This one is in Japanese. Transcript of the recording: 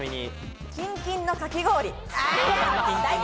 キンキンのかき氷。